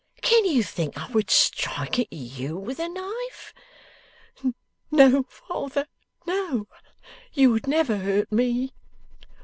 Can you think I would strike at you with a knife?' 'No, father, no; you would never hurt me.